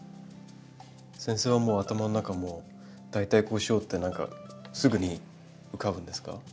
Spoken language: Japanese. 先生は頭の中「大体こうしよう」って何かすぐに浮かぶんですか？